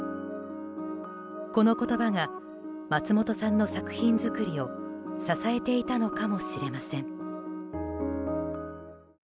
この言葉が松本さんの作品作りを支えていたのかもしれません。